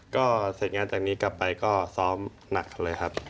ก็เสร็จงานจากนี้กลับไปก็ซ้อมหนักเลยครับ